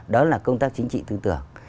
đó là công tác chính trị tương tưởng